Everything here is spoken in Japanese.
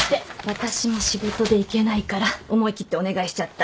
私も仕事で行けないから思い切ってお願いしちゃった。